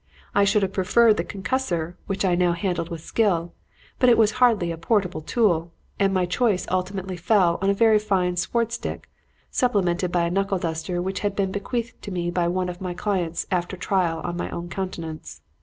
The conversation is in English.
I should have preferred the concussor, which I now handled with skill, but it was hardly a portable tool, and my choice ultimately fell on a very fine swordstick, supplemented by a knuckle duster which had been bequeathed to me by one of my clients after trial on my own countenance.